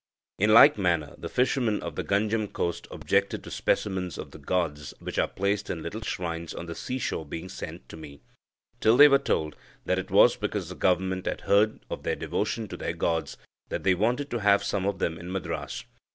In like manner, the fishermen of the Ganjam coast objected to specimens of the gods which are placed in little shrines on the sea shore being sent to me, till they were told that it was because the Government had heard of their devotion to their gods that they wanted to have some of them in Madras.